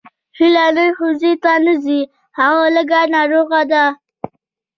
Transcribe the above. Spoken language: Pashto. هیله نن ښوونځي ته نه ځي هغه لږه ناروغه ده